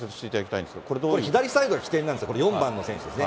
これ左サイドが起点なんです、４番の選手ですね。